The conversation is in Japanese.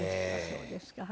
そうですか。